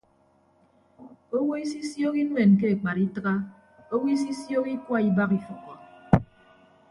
Owo isisioho inuen ke ekpat itịgha owo isisioho ikua ibak ifʌkkọ.